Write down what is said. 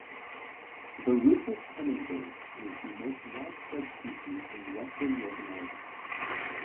The rufous hummingbird is the most widespread species in western North America.